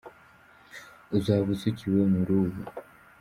Uzaba usukiwe mu rubu.